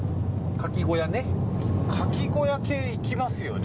「カキ小屋系」行きますよね？